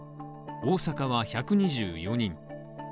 大阪は１２４人。